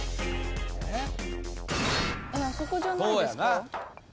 あそこじゃないですか？